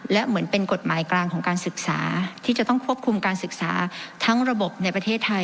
และเหมือนเป็นกฎหมายกลางของการศึกษาที่จะต้องควบคุมการศึกษาทั้งระบบในประเทศไทย